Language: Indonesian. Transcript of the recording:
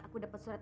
aku dapat suratnya